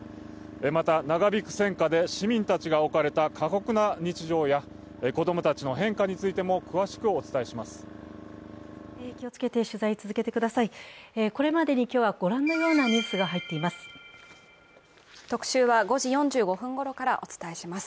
また、長引く戦禍で市民たちが置かれた過酷な日常や子供たちの変化についても詳しくお伝えします。